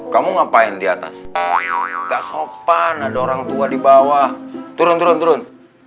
kamu ngapain diatas gas opan ada orang tua di bawah turun turun